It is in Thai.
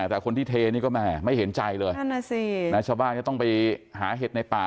แต่คนที่เทนี่ก็แม่ไม่เห็นใจเลยชาวบ้านก็ต้องไปหาเห็ดในป่า